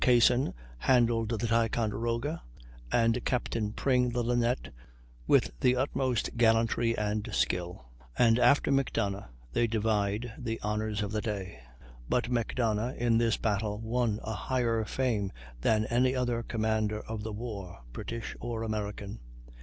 Cassin handled the Ticonderoga, and Captain Pring the Linnet, with the utmost gallantry and skill, and, after Macdonough, they divide the honors of the day. But Macdonough in this battle won a higher fame than any other commander of the war, British or American.